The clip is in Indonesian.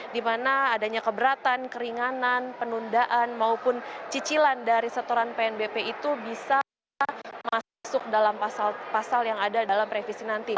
di mana adanya keberatan keringanan penundaan maupun cicilan dari setoran pnbp itu bisa masuk dalam pasal yang ada dalam revisi nanti